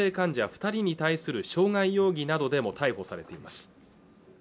二人に対する傷害容疑などでも逮捕されています